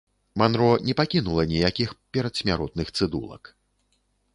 Манро не пакінула ніякіх перадсмяротных цыдулак.